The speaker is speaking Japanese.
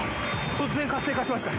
突然活性化しました！